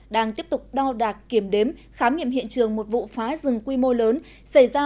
đang tiếp tục đo đạt kiểm đếm khám nghiệm hiện trường một vụ phá rừng quy mô lớn xảy ra